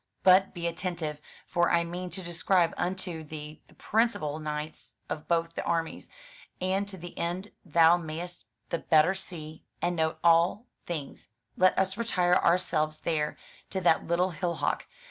But be attentive; for I mean to describe unto thee the principal knights of both the armies; and to the end thou mayest the better see and note all things, let us retire ourselves there to that little hillock.